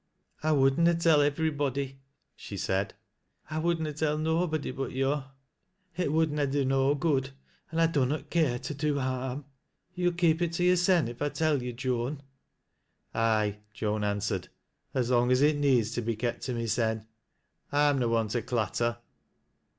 " I would na tell ivverybody," she said. " I would na tell nobody but yo'. It would na do no good, an' I dun not care to do harm. Yo'U keep it to yo'rsen, if I tell yo', Joan ?"" Aye," Joan answered, " as long as it needs be kept to tnysen. I am na one to clatter."